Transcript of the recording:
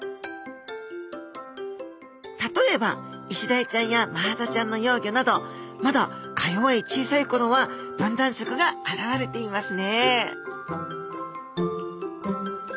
例えばイシダイちゃんやマハタちゃんの幼魚などまだか弱い小さい頃は分断色があらわれていますね